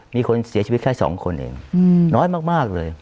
มีคนเสียชีวิตแค่๒คนเองน้อยมากเลย